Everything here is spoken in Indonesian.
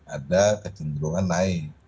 ada kecenderungan naik